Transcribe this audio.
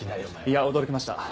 いや驚きました！